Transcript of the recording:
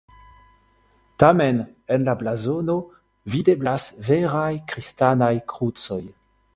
Tamen en la blazono videblas veraj kristanaj krucoj.